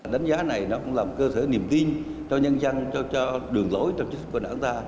đánh giá này cũng là một cơ sở niềm tin cho nhân dân cho đường lối cho chính sức của nữ ta